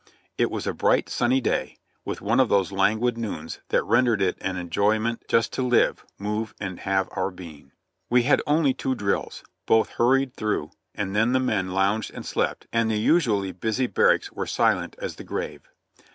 It was a bright, sunny day, with one of those languid noons that ren dered it an enjoyment just to live, move and have our being. We had only had two drills, both hurried through, and then the men lounged and slept and the usually busy barracks were silent as the grave.